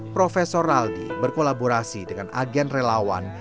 profesor raldi berkolaborasi dengan agen relawan